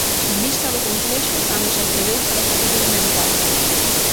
Vista do complexo cando se accedeu para facer o inventario.